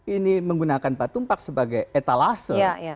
ini menggunakan pak tumpak sebagai etalase